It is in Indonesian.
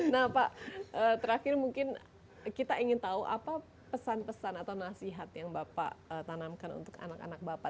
nah pak terakhir mungkin kita ingin tahu apa pesan pesan atau nasihat yang bapak tanamkan untuk anak anak bapak